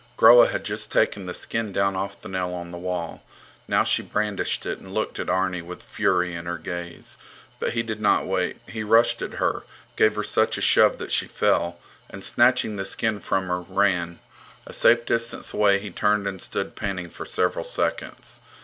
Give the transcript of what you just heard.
Groa had just taken the skin down off the nail on the wall. Now she brandished it and looked at Arni with fury in her gaze. But he did not wait. He rushed at her, gave her such a shove that she fell, and, snatching the skin from her, ran. A safe distance away, he turned and stood panting for several seconds.